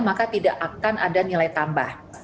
maka tidak akan ada nilai tambah